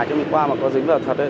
chứ mình qua mà có dính vào thật ấy